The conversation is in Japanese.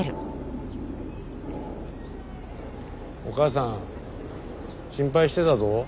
お母さん心配してたぞ。